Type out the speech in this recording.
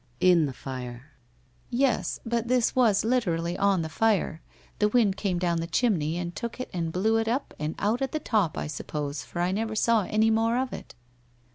' In the fire.' ' Yes, but this was literally on the fire. The wind came down the chimney and took it and blew it up and out at the top, I suppose, for I never saw any more of it.'